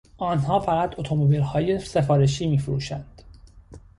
آنها فقط اتومبیلهای سفارشی میفروشند.